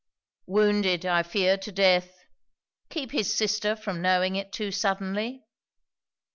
'Wounded, I fear, to death. Keep his sister from knowing it too suddenly.'